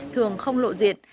thường không lộ diện